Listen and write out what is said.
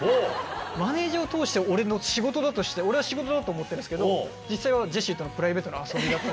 マネジャーを通して俺は仕事だと思ってるんですけど実際はジェシーとのプライベートの遊びだった。